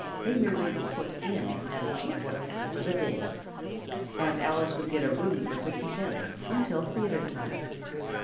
They merely "put in," at a cheap one, for the day. Aunt Alice would get a room for fifty cents, until theatre time.